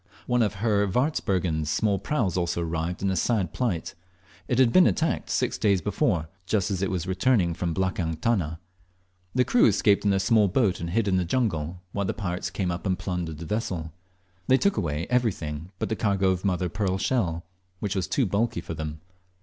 One of Herr Warzbergen's small praus also arrived in a sad plight. It had been attacked six days before, just as it was returning, from the "blakang tana." The crew escaped in their small boat and hid in the jungle, while the pirates came up and plundered the vessel. They took away everything but the cargo of mother of pearl shell, which was too bulky for them.